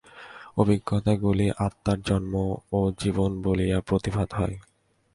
অভিজ্ঞতাগুলি আত্মার জন্ম ও জীবন বলিয়া প্রতিভাত হয়।